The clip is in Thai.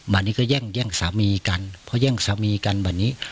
วันนี้ก็แย่งแย่งสามีกันเพราะแย่งสามีกันวันนี้